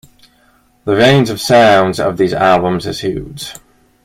The range of sounds of these albums is huge.